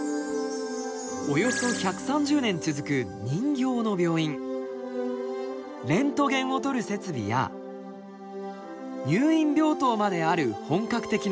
およそ１３０年続くレントゲンを撮る設備や入院病棟まである本格的な施設です。